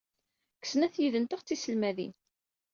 Deg snat yid-nteɣ d tiselmadin.